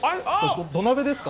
土鍋ですか？